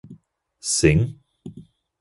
Sing?